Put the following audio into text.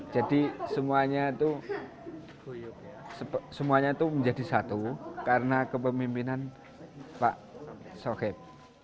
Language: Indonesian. jadi semuanya itu menjadi satu karena kepemimpinan pak sokib